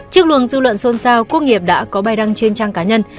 trước luồng dư luận xuân sao quốc nghiệp đã có bài đăng trên trang cá nhân